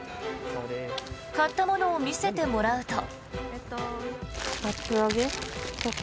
買ったものを見せてもらうと。